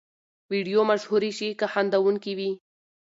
ویډیو مشهورې شي که خندوونکې وي.